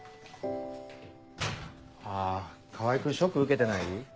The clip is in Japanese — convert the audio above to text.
あ川合君ショック受けてない？